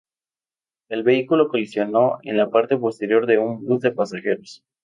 El vehículo colisionó en la parte posterior de un bus de pasajeros.